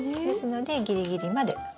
ですのでギリギリまで。